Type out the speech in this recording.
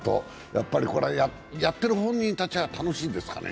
やっぱりこれは、やってる本人たちは楽しいんですかね。